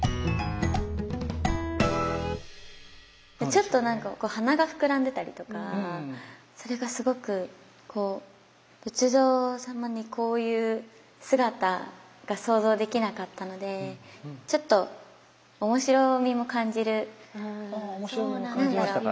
ちょっと何か鼻が膨らんでたりとかそれがすごくこう仏像様にこういう姿が想像できなかったのでちょっとああ面白みも感じましたか。